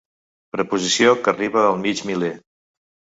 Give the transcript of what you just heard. Preposició que arriba al mig miler.